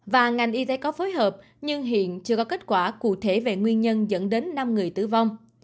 và ngành y tế có phối hợp nhưng hiện chưa có kết quả cụ thể về nguyên nhân dẫn đến năm người tử vong